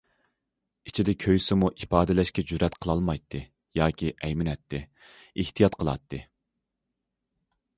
ئىچىدە كۆيسىمۇ ئىپادىلەشكە جۈرئەت قىلالمايتتى ياكى ئەيمىنەتتى، ئېھتىيات قىلاتتى.